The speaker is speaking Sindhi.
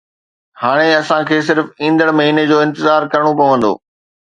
هاڻي اسان کي صرف ايندڙ مهيني جو انتظار ڪرڻو پوندو